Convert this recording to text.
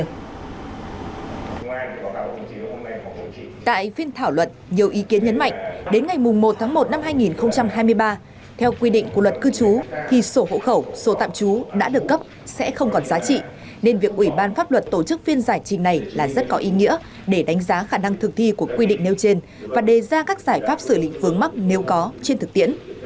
nhiều ý kiến nhấn mạnh đến ngày một một hai nghìn hai mươi ba theo quy định của luật cư trú thì sổ hộ khẩu sổ tạm trú đã được cấp sẽ không còn giá trị nên việc ủy ban pháp luật tổ chức phiên giải trình này là rất có ý nghĩa để đánh giá khả năng thực thi của quy định nêu trên và đề ra các giải pháp xử lý vướng mắc nếu có trên thực tiễn